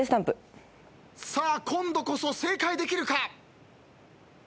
さあ今度こそ正解できるか？